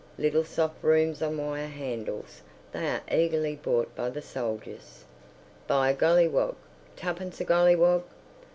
Little soft brooms on wire handles. They are eagerly bought by the soldiers. "Buy a golliwog! Tuppence a golliwog!"